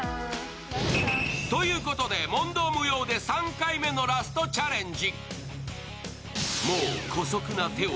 ということで、問答無用で３回目のラストチャレンジ。